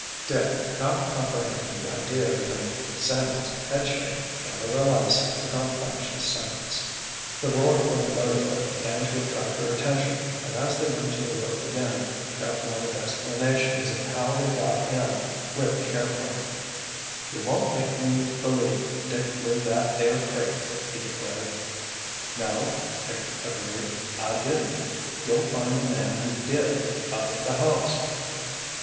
Dick, not comprehending the idea behind Sandy's headshake, nevertheless, did not finish his sentence. The roar of a motor boat began to attract their attention and as they went to the wharf again, Jeff wanted explanations of how they got in with the airplane. "You won't make me believe Dick flew that there crate," he declared. "No," Dick agreed. "I didn't. You'll find the man who did up at the house."